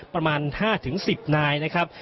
ประมาณ๕๑๐นายนะครับ